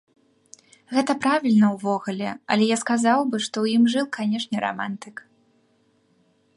Гэта правільна, увогуле, але я сказаў бы, што ў ім жыў, канешне, рамантык.